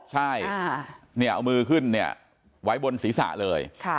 ใช่เอามือขึ้นไว้บนศรีษะเลย